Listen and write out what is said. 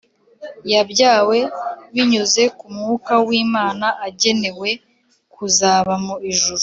Yabyawe binyuze ku mwuka w Imana agenewe kuzaba mu ijuru